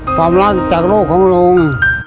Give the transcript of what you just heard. ความรักจากโลกของลุง